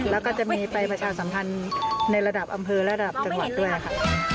แล้วก็จะมีไปประชาสัมพันธ์ในระดับอำเภอระดับจังหวัดด้วยค่ะ